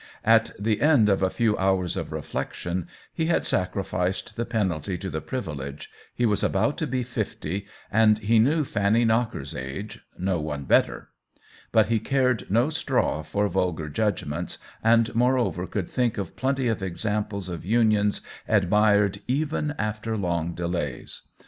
At the end of a few hours of reflection he had sacrificed the penalty to the privilege , he was about to be fifty, and he knew Fanny Knocker's age — no one better ; but he cared no straw for vulgar judgments, and more over could think of plenty of examples of unions admired even after longer delays.